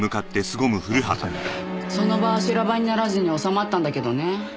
その場は修羅場にならずに収まったんだけどね。